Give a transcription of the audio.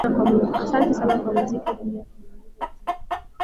asante sana haya muziki kabla sijakuuliza jina